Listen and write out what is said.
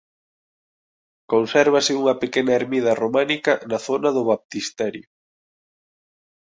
Consérvase unha pequena ermida románica na zona do baptisterio.